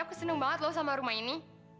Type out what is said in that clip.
aku senang banget loh sama rumah ini